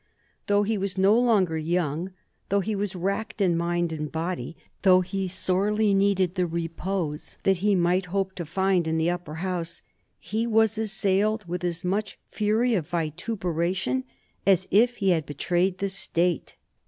Though he was no longer young, though he was racked in mind and body, though he sorely needed the repose that he might hope to find in the Upper House, he was assailed with as much fury of vituperation as if he had betrayed the State.